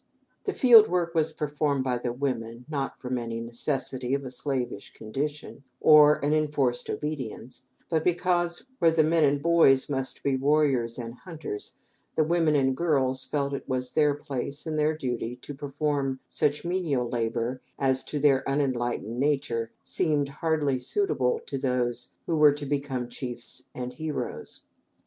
The field work was performed by the women, not from any necessity of a slavish condition or an enforced obedience, but because, where the men and boys must be warriors and hunters, the women and girls felt that it was their place and their duty to perform such menial labor as, to their unenlightened nature, seemed hardly suitable to those who were to become chiefs and heroes.